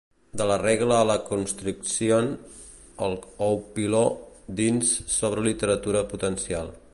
«De la regla a la constricción: el Oulipo» dins «Sobre Literatura Potencial.